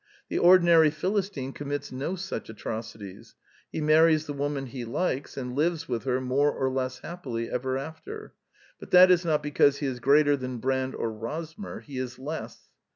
The ordinary Phil istine commits no such atrocities : he marries the woman he likes and lives with her more or less happily ever after; but that is not because he is greater than Brand or Rosmer: he is less.